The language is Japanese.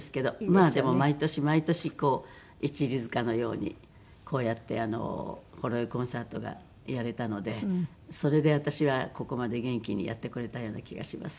まあでも毎年毎年一里塚のようにこうやって「ほろ酔いコンサート」がやれたのでそれで私はここまで元気にやってこれたような気がします。